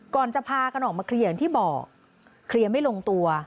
ก่อนจะพากันออกมาเคลียร์อย่างที่บอกเคลียร์ไม่ลงตัว